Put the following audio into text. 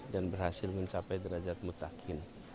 dan berhasil mencapai derajat mutakin